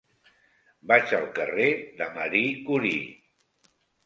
Vaig al carrer de Marie Curie.